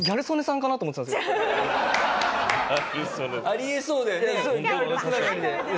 あり得そうだよね。